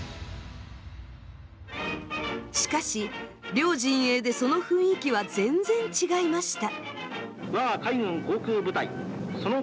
しかし両陣営でその雰囲気は全然違いました。